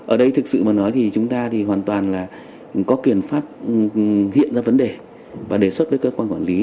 ở đây thực sự mà nói thì chúng ta thì hoàn toàn là có kiểm phát hiện ra vấn đề và đề xuất với cơ quan quản lý